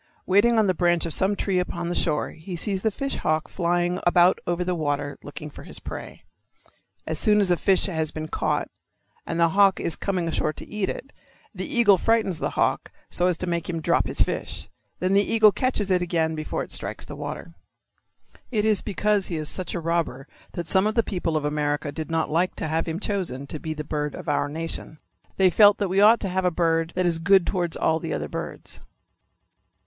Waiting on the branch of some tree upon the shore he sees the fish hawk flying about over the water looking for his prey. As soon as a fish has been caught and the hawk is coming ashore to eat it, the eagle frightens the hawk so as to make him drop his fish. Then the eagle catches it again before it strikes the water. It is because he is such a robber that some of the people of America did not like to have him chosen to be the bird of our nation. They felt that we ought to have a bird that is good towards all the other birds.